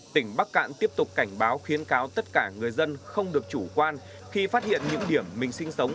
tỉnh bắc cạn tiếp tục cảnh báo khuyến cáo tất cả người dân không được chủ quan khi phát hiện những điểm mình sinh sống